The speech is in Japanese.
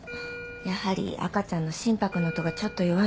やはり赤ちゃんの心拍の音がちょっと弱いです。